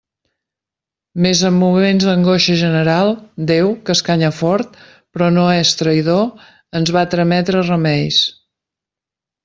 Mes en moments d'angoixa general, Déu, que escanya fort, però no és traïdor, ens va trametre remeis.